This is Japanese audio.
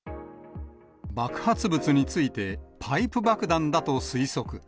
爆発物について、パイプ爆弾だと推測。